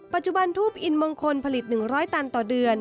ปัจจุบันทูปอินมงคลผลิต๑๐๐ตันต่อเดือน